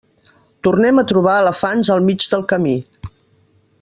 Tornem a trobar elefants al mig del camí.